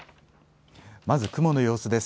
まず雲の様子です。